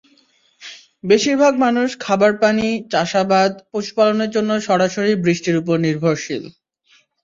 বেশির ভাগ মানুষ খাবার পানি, চাষাবাদ, পশুপালনের জন্য সরাসরি বৃষ্টির ওপর নির্ভরশীল।